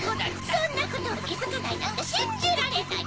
そんなこともきづかないなんてしんじられない！